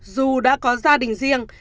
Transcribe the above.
dù đã có gia đình riêng